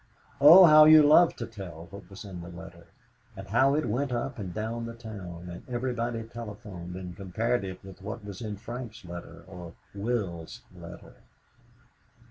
Oh, how you loved to tell what was in the letter! And how it went up and down the town and everybody telephoned and compared it with what was in Frank's letter, or Will's letter.